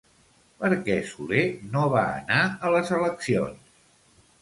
Per què Soler no va anar a les eleccions?